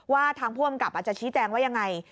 ทางผู้อำกับอาจจะชี้แจงว่ายังไง